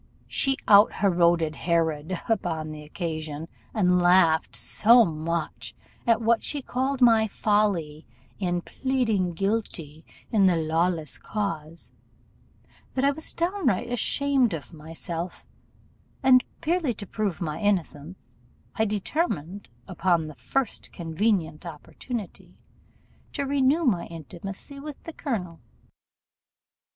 She out heroded Herod upon the occasion; and laughed so much at what she called my folly in pleading guilty in the Lawless cause, that I was downright ashamed of myself, and, purely to prove my innocence, I determined, upon the first convenient opportunity, to renew my intimacy with the colonel.